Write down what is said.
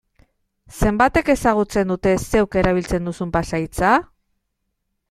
Zenbatek ezagutzen dute zeuk erabiltzen duzun pasahitza?